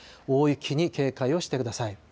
大雪に警戒をしてください。